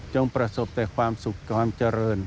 ประสบแต่ความสุขความเจริญ